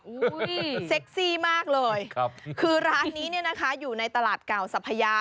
อุ้ยซักซี่มากเลยคือร้านนี้นะคะอยู่ในตลาดเก่าสัพพยา